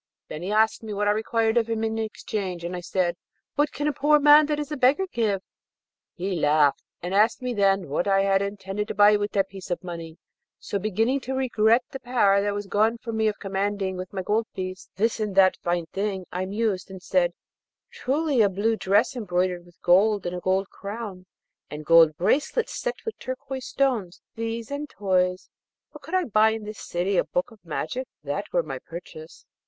Then he asked me what I required of him in exchange, and I said, 'What can a poor old man that is a beggar give?' He laughed, and asked me then what I had intended to buy with that piece of money. So, beginning to regret the power that was gone from me of commanding with my gold piece this and that fine thing, I mused, and said, 'Truly, a blue dress embroidered with gold, and a gold crown, and gold bracelets set with turquoise stones, these, and toys; but could I buy in this city a book of magic, that were my purchase.'